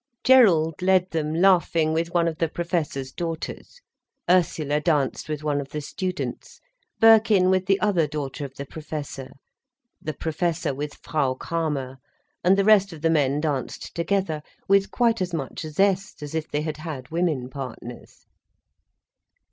Gerald led them, laughing, with one of the Professor's daughters. Ursula danced with one of the students, Birkin with the other daughter of the Professor, the Professor with Frau Kramer, and the rest of the men danced together, with quite as much zest as if they had had women partners.